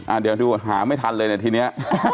อ่ะเดี๋ยวทุกคนหาไม่ทันเลยในทีนี้